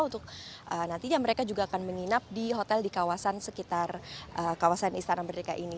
untuk nantinya mereka juga akan menginap di hotel di kawasan sekitar kawasan istana merdeka ini